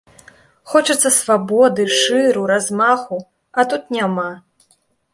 Хочацца слабоды, шыру, размаху, а тут няма.